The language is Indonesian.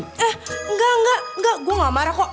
eh enggak enggak enggak gue gak marah kok